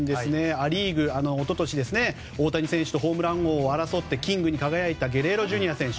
ア・リーグ、一昨年大谷選手とホームラン王を争ってキングに輝いたゲレーロＪｒ．選手